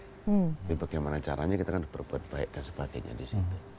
jadi bagaimana caranya kita kan berbuat baik dan sebagainya di situ